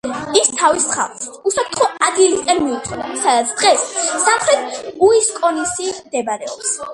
ის თავის ხალხს უსაფრთხო ადგილისაკენ მიუძღოდა, სადაც დღეს სამხრეთ უისკონსინი მდებარეობს.